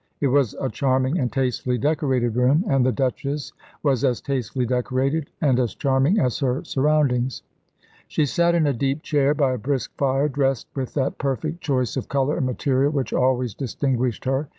It was a charming and tastefully decorated room, and the Duchess was as tastefully decorated and as charming as her surroundings. She sat in a deep chair by a brisk fire, dressed with that perfect choice of colour and material which always distinguished her.